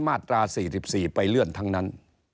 มาตรา๔๔ไปเลื่อนทั้งนั้น